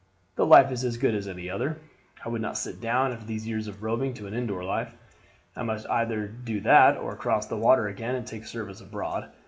The life is as good as any other. I would not sit down, after these years of roving, to an indoor life. I must either do that or cross the water again and take service abroad.